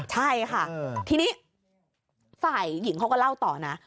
ใช่ค่ะทีนี้ฝ่ายหญิงเขาก็เล่าต่อนะ